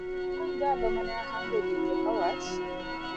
Mano e ndalo ma ne ahango winjo ka wach